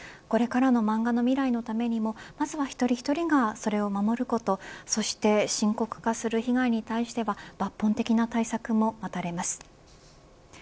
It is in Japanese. これからの漫画の未来のためにもまずは一人一人がそれを守ることそして深刻化する被害に対しては抜本的な対策も待たれます。